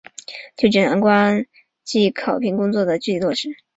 就检察官业绩考评工作的具体落实